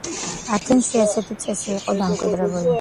ათენში ასეთი წესი იყო დამკვიდრებული.